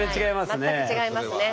全く違いますね。